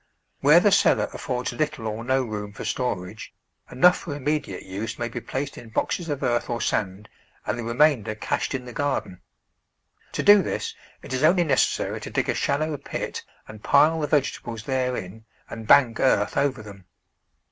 Where the cellar affords little or no room for storage, enough for immediate use may be placed in boxes of earth or sand and the remainder cached in the garden. To do this, it is only necessary to dig a shallow pit and pile the vegetables therein and bank earth over them.